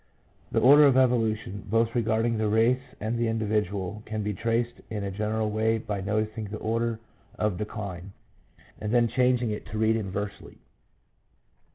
The order of evolution, both regarding the race and the individual, can be traced in a general way by noting the order of decline, and then changing it to read inversely.